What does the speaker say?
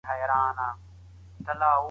خپل پور نه پرېږدي پردي ته دا تقدیر دی نه بدلېږي